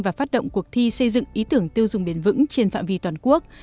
và phát động cuộc thi xây dựng ý tưởng tiêu dùng bền vững trên phạm vi toàn quốc